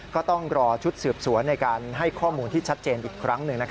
ก็ต้องรอชุดสืบสวนในการให้ข้อมูลที่ชัดเจนอีกครั้งหนึ่ง